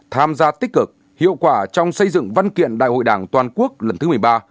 tham gia tích cực hiệu quả trong xây dựng văn kiện đại hội đảng toàn quốc lần thứ một mươi ba